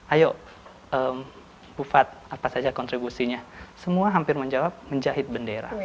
ayo bu fat apa saja kontribusinya semua hampir menjawab menjahit bendera